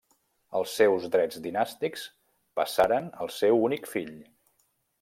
Els seus drets dinàstics passaren al seu únic fill.